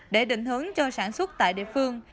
để định hướng cho sản xuất tại địa phương